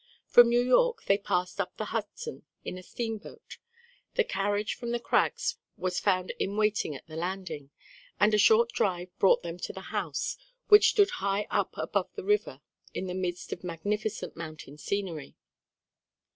From New York they passed up the Hudson in a steamboat; the carriage from the Crags was found in waiting at the landing, and a short drive brought them to the house, which stood high up above the river, in the midst of magnificent mountain scenery.